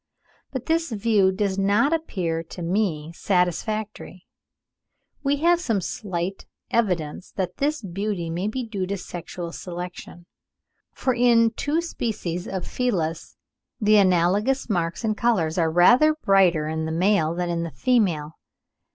But this view does not appear to me satisfactory. We have some slight evidence that his beauty may be due to sexual selection, for in two species of Felis the analogous marks and colours are rather brighter in the male than in the female.